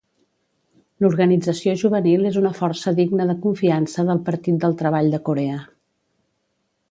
L'organització juvenil és una força digna de confiança del Partit del Treball de Corea.